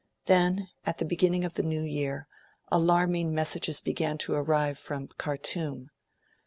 Then, at the beginning of the new year, alarming messages began to arrive from Khartoum.